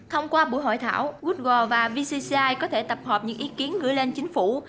thông qua buổi hội thảo google và vcci có thể tập hợp những ý kiến gửi lên chính phủ